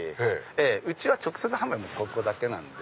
うちは直接販売はここだけなので。